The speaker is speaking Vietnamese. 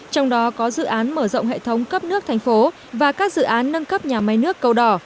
trong đó có dự án mở rộng hệ thống cấp nước thành phố và các dự án nâng cấp nhà máy nước cầu đỏ